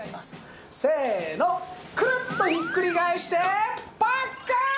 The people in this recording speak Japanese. せのクルッとひっくり返してパッカーン！